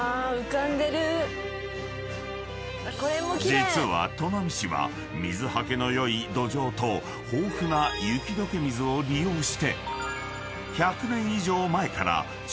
［実は砺波市は水はけの良い土壌と豊富な雪解け水を利用して］